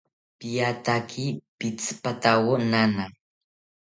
Piataki pitzipatawo nana